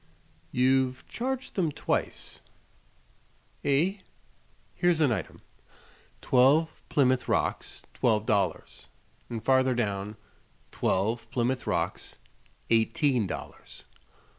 You've charged them twice." "Eh?" "Here's an item: 'Twelve Plymouth Rocks, twelve dollars;' and farther down: 'Twelve Plymouth Rocks, eighteen dollars.'"